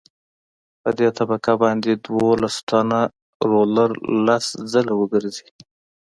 په دې طبقه باید دولس ټنه رولر لس ځله وګرځي